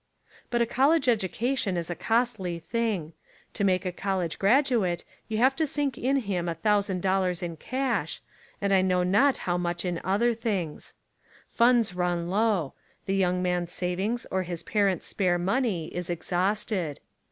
But a college education is a costly thing. To make a college graduate you have to sink in him a thousand dollars in cash, and I know not how much in other things. Funds run low; the young man's savings or his parents' spare money is exhausted.